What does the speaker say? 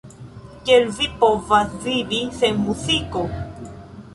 Kiel vi povas vivi sen muziko?